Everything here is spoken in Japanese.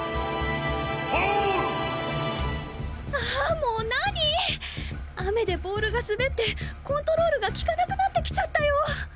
もう何ィ⁉雨でボールが滑ってコントロールがきかなくなってきちゃったよ！